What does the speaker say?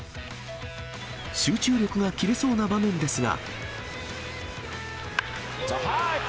集中力が切れそうな場面ですが。